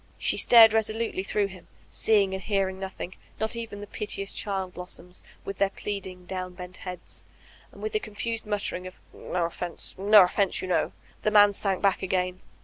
She stared resolutely through him, seeing and hearing noth ing, not even the piteous child blossonis, with their pleading, downbent heads, and with a confused nmtter ing of ''No offense, no offense, you know," the man sank back again.